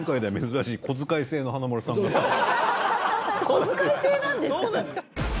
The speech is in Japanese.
小遣い制なんですか？